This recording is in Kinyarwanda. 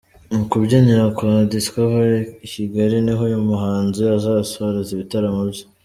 Mu kabyiniro ka Discovery i Kigali niho uyu muhanzi azasoreza ibitaramo bye .